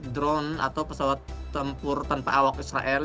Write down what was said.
drone atau pesawat tempur tanpa awak israel